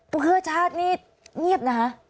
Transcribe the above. เพื่อชาตินี่เงียบนะคะ